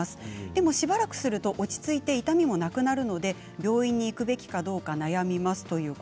でもしばらくすると落ち着いて痛みもなくなるので病院に行くべきかどうか悩みます。